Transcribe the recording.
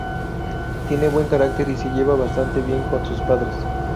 Tiene buen carácter y se lleva bastante bien con sus padres.